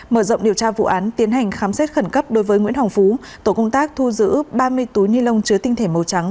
mở rộng điều tra vụ án tiến hành khám xét khẩn cấp đối với nguyễn hồng phú tổ công tác thu giữ ba mươi túi ni lông chứa tinh thể màu trắng